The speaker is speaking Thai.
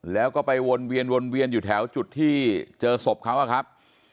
แล้วก็ไปวนเวียนวนเวียนอยู่แถวจุดที่เจอศพเขาอะครับ